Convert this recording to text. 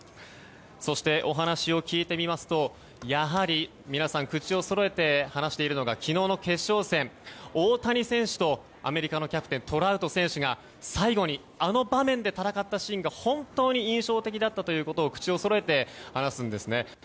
そして、お話を聞いてみますとやはり皆さん、口をそろえて話しているのが昨日の決勝戦、大谷選手とアメリカのキャプテントラウト選手が最後に、あの場面で戦ったシーンが本当に印象的だったということを口をそろえて話すんですね。